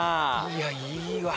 いやいいわ。